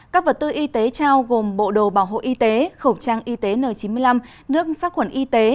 các vật tư y tế trao gồm bộ đồ bảo hộ y tế khẩu trang y tế n chín mươi năm nước sát quẩn y tế